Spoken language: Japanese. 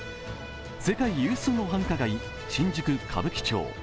世界有数の繁華街、新宿・歌舞伎町。